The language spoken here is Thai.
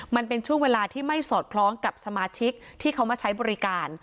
มันเป็นช่วงเวลาที่ไม่สอดคล้องกับสมาชิกที่เขามาใช้บริการ